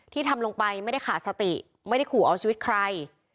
ทำลงไปไม่ได้ขาดสติไม่ได้ขู่เอาชีวิตใคร